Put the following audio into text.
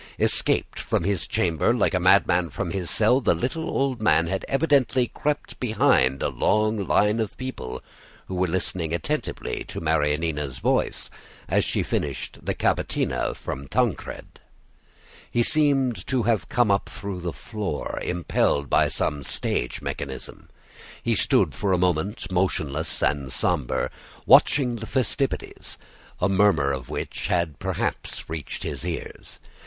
Escaped from his chamber, like a madman from his cell, the little old man had evidently crept behind a long line of people who were listening attentively to Marianina's voice as she finished the cavatina from Tancred. He seemed to have come up through the floor, impelled by some stage mechanism. He stood for a moment motionless and sombre, watching the festivities, a murmur of which had perhaps reached his ears.